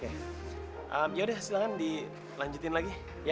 ehm yaudah silahkan dilanjutin lagi ya